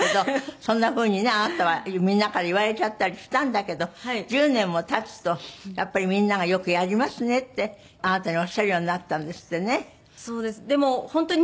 そんな風にねあなたはみんなから言われちゃったりしたんだけど１０年も経つとやっぱりみんなが「よくやりますね」ってあなたにおっしゃるようになったんですってね。